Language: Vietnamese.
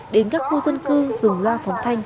đến các khu dân cư dùng loa phóng thanh